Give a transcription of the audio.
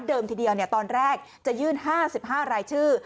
เดิมทีเดียวตอนแรกจะยื่นห้าสิบห้ารายชื่อ